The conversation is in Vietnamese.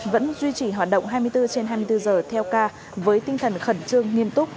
vẫn duy trì hoạt động hai mươi bốn trên hai mươi bốn giờ theo ca với tinh thần khẩn trương nghiêm túc